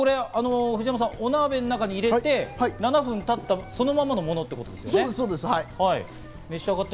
藤山さん、お鍋の中に入れて、７分経った、そのままのものですね、こちらが。